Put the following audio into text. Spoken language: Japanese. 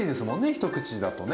一口だとね。